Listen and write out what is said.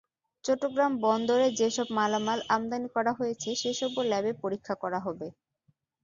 চট্টগ্রাম বন্দরে যেসব মালামাল আমদানি করা হয়েছে সেসবও ল্যাবে পরীক্ষা করা হবে।